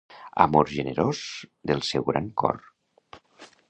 Amor generós del seu gran cor.